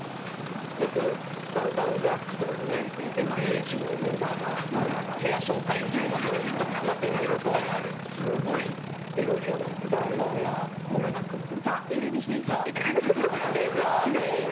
よく「ダウンタウンＤＸ」とかでＬＤＨのメンバーが部屋紹介みたいなのをたまに見るとすごいエロい部屋なんですけどザ・ＬＤＨって感じの。